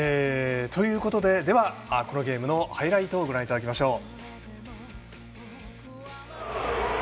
このゲームのハイライトご覧いただきましょう。